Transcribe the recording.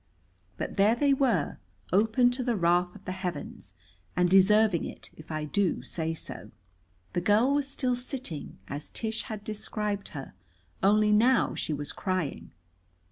But there they were, open to the wrath of the heavens, and deserving it, if I do say so. The girl was still sitting, as Tish had described her. Only now she was crying.